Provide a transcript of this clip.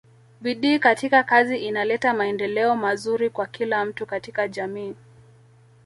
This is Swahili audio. bidii katika kazi inaleta maendeleo manzuri kwa kila mtu katika jamii